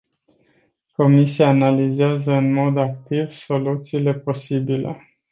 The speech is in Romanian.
Comisia analizează în mod activ soluțiile posibile.